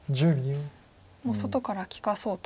もう外から利かそうと。